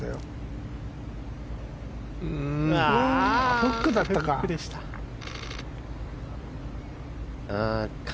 フックだったか。